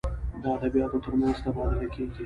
د ادبیاتو تر منځ تبادله کیږي.